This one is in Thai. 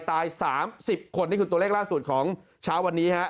ตาย๓๐คนนี่คือตัวเลขล่าสุดของเช้าวันนี้ครับ